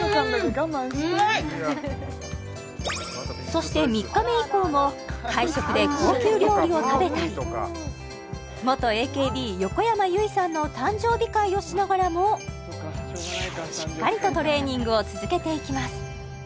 そして３日目以降も会食で高級料理を食べたり元ＡＫＢ横山由依さんの誕生日会をしながらもしっかりとトレーニングを続けていきます